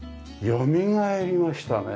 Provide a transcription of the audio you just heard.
よみがえりましたね。